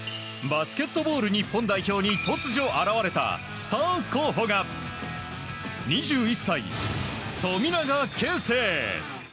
バスケットボール日本代表に突如現れたスター候補が、２１歳富永啓生。